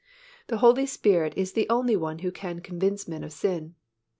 The Holy Spirit is the only One who can convince men of sin.